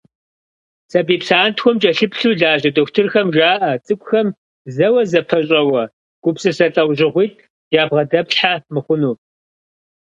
Сабий псантхуэм кӏэлъыплъу лажьэ дохутырхэм жаӏэ цӏыкӏухэм зэуэ зэпэщӏэуэ гупсысэ лӏэужьыгъуитӏ ябгъэдэплъхьэ мыхъуну.